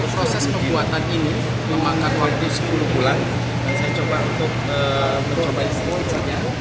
proses pembuatan ini memang ada waktu sepuluh bulan dan saya coba untuk mencobanya secara secara